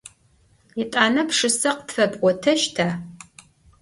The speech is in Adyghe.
Yêt'ane pşşıse khıtfep'oteşta?